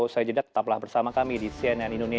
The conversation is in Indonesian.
saya jedad tetaplah bersama kami di cnn indonesia